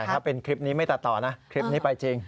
ถ้าเป็นคลิปนี้ไม่ตัดต่อนะคลิปนี้ไปจริง